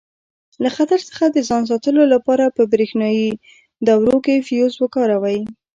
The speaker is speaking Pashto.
له خطر څخه د ځان ساتلو لپاره په برېښنایي دورو کې فیوز وکاروئ.